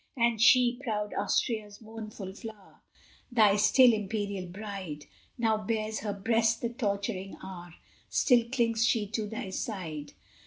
And she, proud Austria's mournful flower, Thy still imperial bride, How bears her breast the torturing hour? Still clings she to thy side?